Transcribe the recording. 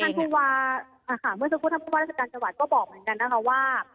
คุณค่ะคุณคุณวาเมื่อสักครู่ท่านพุทธวรรษการจังหวัดก็บอกเหมือนกันนะคะว่า